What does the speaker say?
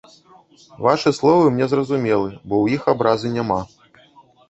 Вашы словы мне зразумелы, бо ў іх абразы няма.